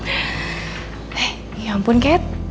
eh ya ampun kat